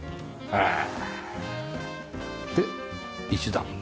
へえ！